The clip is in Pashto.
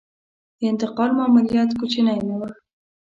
د انتقال ماموریت کوچنی نه و.